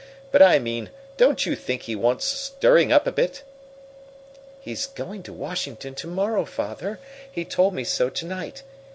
But I mean don't you think he wants stirring up a bit?" "He is going to Washington to morrow, Father. He told me so to night.